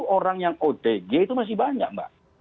sepuluh orang yang otg itu masih banyak mbak